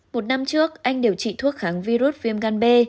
một năm trước anh điều trị thuốc kháng virus viêm gan b